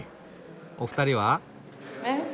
お二人は？